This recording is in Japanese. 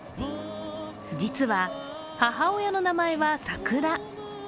実は、母親の名前は、さくら。